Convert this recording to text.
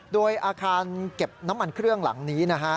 โดยอาคารเก็บน้ำมันเครื่องหลังนี้นะฮะ